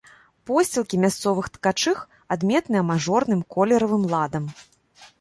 Посцілкі мясцовых ткачых адметныя мажорным колеравым ладам.